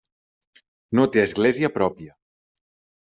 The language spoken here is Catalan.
No té església pròpia.